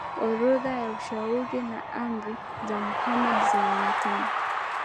orodha ya ushauri na amri za Mohammed zinaonekana